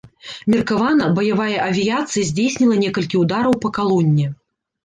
Меркавана, баявая авіяцыя здзейсніла некалькі удараў па калоне.